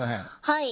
はい。